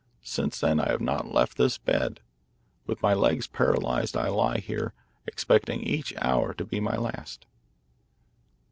Since then I have not left this bed. With my legs paralysed I lie here, expecting each hour to be my last."